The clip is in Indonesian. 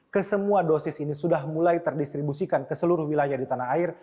kesemua dosis ini sudah mulai terdistribusikan ke seluruh wilayah di tanah air